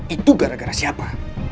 itu gara gara siapa